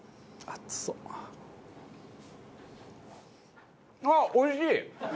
あっおいしい！